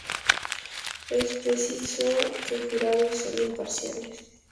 Es preciso que jurados sean imparciales.